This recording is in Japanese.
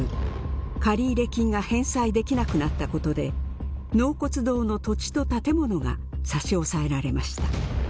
借入金が返済できなくなったことで納骨堂の土地と建物が差し押さえられました。